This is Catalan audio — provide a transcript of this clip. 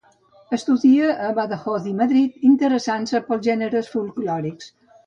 Estudia a Badajoz i Madrid, interessant-se pels gèneres folklòrics.